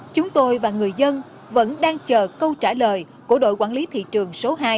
chúng tôi và người dân vẫn đang chờ câu trả lời của đội quản lý thị trường số hai